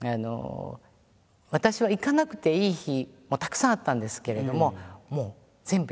私は行かなくていい日もたくさんあったんですけれどももう全部行っていた。